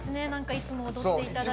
いつも踊っていただいて。